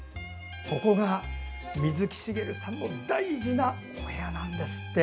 ここが、水木しげるさんの大事なお部屋なんですって。